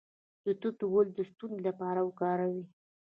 د توت ګل د ستوني لپاره وکاروئ